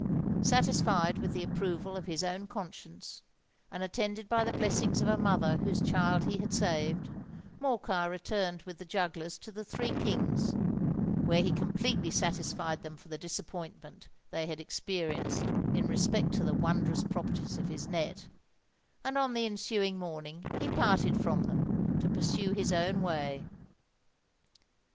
Satisfied with the approval of his own conscience, and attended by the blessings of a mother whose child he had saved, Morcar returned with the jugglers to the Three Kings, where he completely satisfied them for the disappointment they had experienced in respect to the wondrous properties of his net; and on the ensuing morning he parted from them, to pursue his own way.